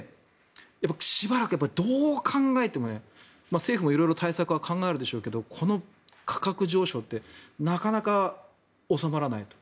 しばらく、どう考えても政府も色々対策は考えるでしょうけどこの価格上昇ってなかなか収まらないと。